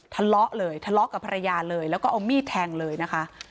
ทะเลาะเลยทะเลาะกับภรรยาเลยแล้วก็เอามีดแทงเลยนะคะ